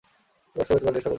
রহস্য ভেদ করার চেষ্টা করছি।